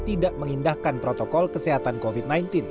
tidak mengindahkan protokol kesehatan covid sembilan belas